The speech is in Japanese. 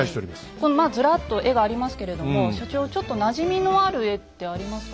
このまあずらっと絵がありますけれども所長ちょっとなじみのある絵ってありますか？